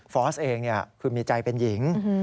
อสเองคือมีใจเป็นหญิง